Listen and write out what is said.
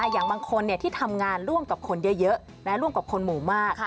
อย่างบางคนที่ทำงานร่วมกับคนเยอะร่วมกับคนหมู่มาก